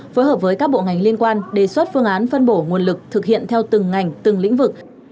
phối hợp với các bộ ngành liên quan đề xuất phương án phân bổ nguồn lực thực hiện theo từng ngành từng lĩnh vực